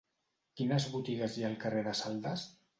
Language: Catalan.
Quines botigues hi ha al carrer de Saldes?